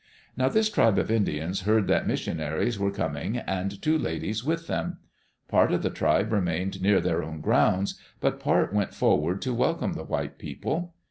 Now this tribe of Indians heard that missionaries were coming and two ladies with them. Part of the tribe re mained near their own grounds, but part went forward to welcome the white people.